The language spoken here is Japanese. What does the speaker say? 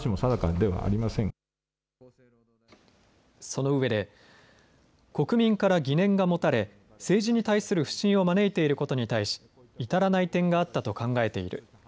そのうえで国民から疑念が持たれ政治に対する不信を招いていることに対し至らない点があったと考えている。